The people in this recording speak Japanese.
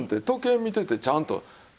時計見ててちゃんと。